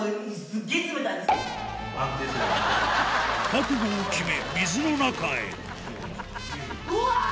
覚悟を決め水の中へうわぁ！